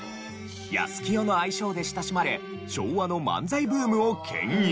やすきよの愛称で親しまれ昭和の漫才ブームを牽引。